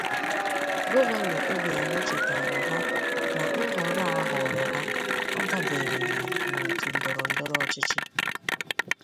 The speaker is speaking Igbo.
Gọvanọ Obianọ chètààrà ha na nhọrọ a họọrọ ha adàbèrèghị n'otu ndọrọ-ndọrọ ọchịchị